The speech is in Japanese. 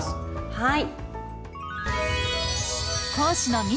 はい。